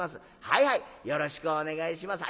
はいはいよろしくお願いします。